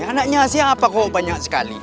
anaknya siapa kok banyak sekali